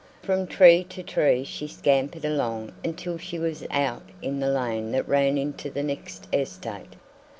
From tree to tree she scampered along until she was out in the lane that ran into the next estate.